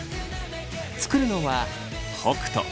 作るのは北斗。